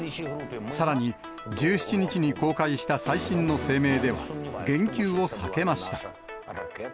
さらに、１７日に公開した最新の声明では、言及を避けました。